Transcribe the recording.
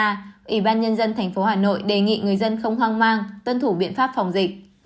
ủy ban nhân dân tp hà nội đề nghị người dân không hoang mang tuân thủ biện pháp phòng dịch